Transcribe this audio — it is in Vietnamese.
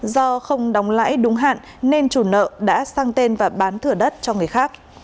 do không đóng lãi đúng hạn nên chủ nợ đã sang tên và bán thửa đất cho người khác